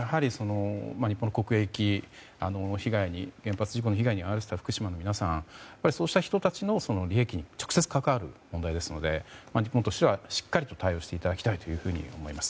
厳しい道のりですけど日本の国益の被害原発事故の被害に遭った福島の皆さんそうした人たちの利益に直接関わる問題ですので日本としてはしっかりと対応していただきたいと思います。